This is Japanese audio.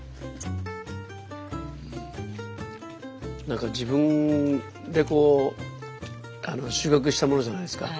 何か自分でこう収穫したものじゃないですか。